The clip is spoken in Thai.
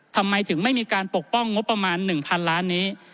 ทำไมถึงไม่มีการปกป้องงบประมาณ๑๐๐๐ล้านนี้